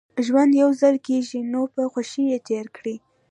ژوند يوځل کېږي نو په خوښۍ يې تېر کړئ